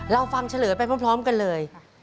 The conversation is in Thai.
ฟังเฉลยไปพร้อมกันเลย